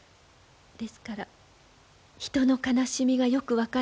ですから人の悲しみがよく分かるのでございます。